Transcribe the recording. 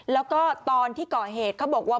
แล้วก็ตอนที่ก่อเหตุเขาบอกว่า